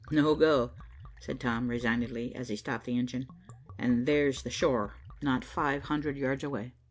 "No go," said Tom resignedly, as he stopped the engine, "and there's the shore not five hundred yards away."